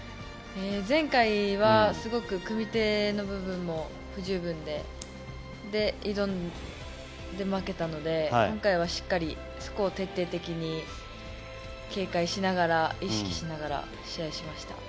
前回はすごく組み手の部分も不十分で挑んで負けたので今回はしっかりそこを徹底的に警戒しながら意識しながら試合しました。